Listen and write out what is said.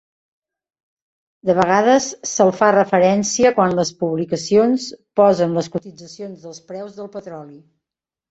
De vegades se'l fa referència quan les publicacions posen les cotitzacions dels preus del petroli.